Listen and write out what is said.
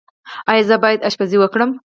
ایا زه باید اشپزي وکړم؟